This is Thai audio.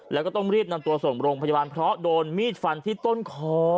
แล้วก็ต้องรีบนำตัวส่งโรงพยาบาลเพราะโดนมีดฟันที่ต้นคอ